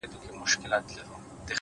د باران لومړی څاڅکی تل ځانګړی احساس لري؛